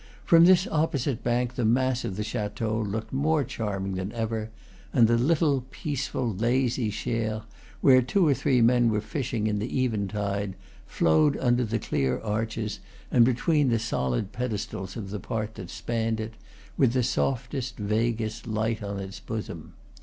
From this opposite bank the mass of the chateau looked more charming than ever; and the little peaceful, lazy Cher, where two or three men were fishing in the eventide, flowed under the clear arches and between the solid pedestals of the part that spanned it, with the softest, vaguest light on its bosom.